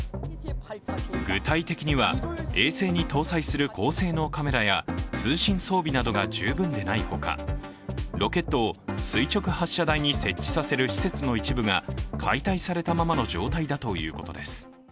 具体的には衛星に搭載する高性能カメラや通信装備などが十分でないほかロケットを垂直発射台に設置させる施設の一部が解体されたままの状態だということです。